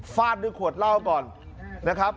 ฟาดด้วยขวดเหล้าก่อนนะครับ